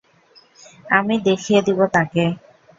আমি দেখিয়ে দিব তাকে।